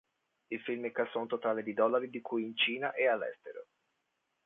Il film incassò un totale di dollari, di cui in Cina e all'estero.